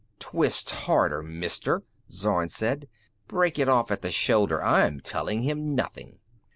"Twist harder, Mister," Zorn said. "Break it off at the shoulder. I'm telling him nothing!"